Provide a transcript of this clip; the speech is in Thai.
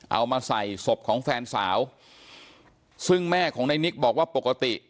เอามาใส่ศพของแฟนสาวซึ่งแม่ของในนิกบอกว่าปกติ